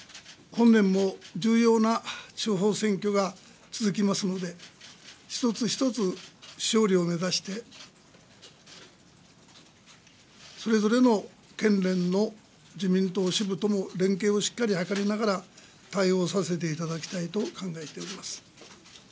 本年も重要な地方選挙が続きますので、一つ一つ、勝利を目指して、それぞれの県連の自民党支部とも連携をしっかり図りながら、対応させていただきたいと考えております。